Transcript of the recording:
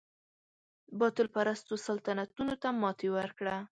باطل پرستو سلطنتونو ته ماتې ورکړه.